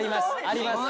あります。